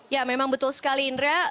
ya memang betul sekali indra